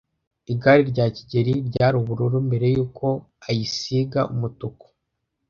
Igare rya kigeli ryari ubururu mbere yuko ayisiga umutuku.